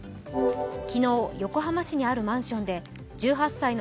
昨日横浜市にあるマンションで１８歳の